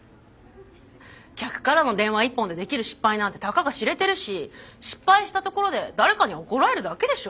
客からの電話一本でできる失敗なんてたかが知れてるし失敗したところで誰かに怒られるだけでしょ？